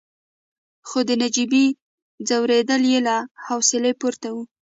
خو د نجيبې ځورېدل يې له حوصلې پورته وو.